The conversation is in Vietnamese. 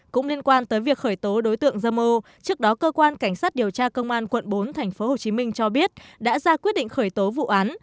cũng liên quan tới việc khởi tố đối tượng dâm ô trước đó cơ quan cảnh sát điều tra công an quận bốn tp hcm cho biết đã ra quyết định khởi tố vụ án